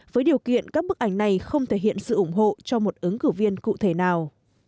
với điều kiện các bức ảnh này không thể hiện sự ủng hộ cho một ứng cử viên cụ thể nào